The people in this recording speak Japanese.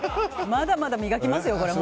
まだまだ磨きますよ。